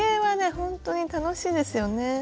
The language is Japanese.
ほんとに楽しいですよね。